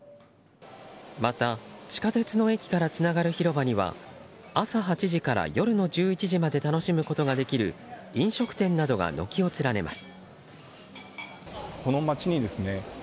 また、地下鉄の駅からつながる広場には朝８時から夜の１１時まで楽しむことができる飲食店などが軒を連ねます。